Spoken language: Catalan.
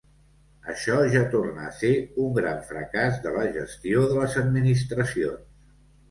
Això ja torna a ser un gran fracàs de la gestió de les administracions.